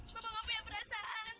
bapak mau punya perasaan